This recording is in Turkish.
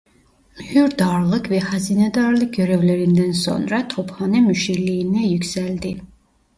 Mühürdarlık ve hazinedarlık görevlerinden sonra Tophane müşirliğine yükseldi.